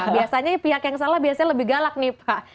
biasanya pihak yang salah biasanya lebih galak nih pak